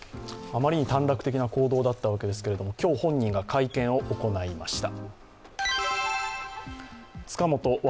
あまりに短絡的な行動だったわけですけれども、今日、本人が会見を行いました。